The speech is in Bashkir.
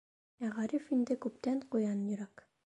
Ә Ғариф инде күптән ҡуян йөрәк.